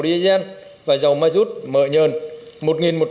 diesel và dầu mazut mỡ nhờn